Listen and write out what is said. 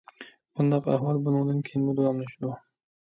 بۇنداق ئەھۋال بۇنىڭدىن كېيىنمۇ داۋاملىشىدۇ.